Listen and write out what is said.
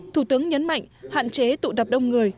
thủ tướng nhấn mạnh hạn chế tụ tập đông người